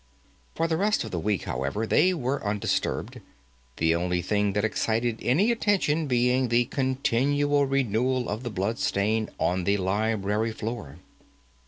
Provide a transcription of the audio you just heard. For the rest of the week, however, they were undisturbed, the only thing that excited any attention being the continual renewal of the blood stain on the library floor.